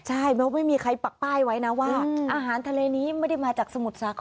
ใช่แม้ไม่มีใครปักป้ายไว้นะว่าอาหารทะเลนี้ไม่ได้มาจากสมุทรสาคร